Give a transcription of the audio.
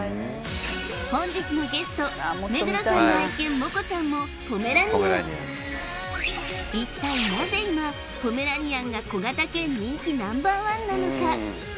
本日のゲスト目黒さんの愛犬モコちゃんもポメラニアン一体なぜ今ポメラニアンが小型犬人気Ｎｏ．１なのか